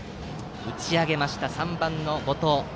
打ち上げました３番の後藤。